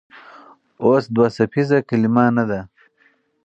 اوس دوه څپیزه کلمه نه ده.